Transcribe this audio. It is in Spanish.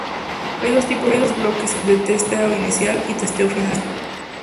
Hay dos tipos de estos bloques: de testeo inicial y testeo final.